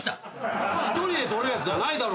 １人でとるやつじゃないだろ。